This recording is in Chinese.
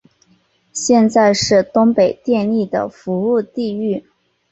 现在是东北电力的服务地域。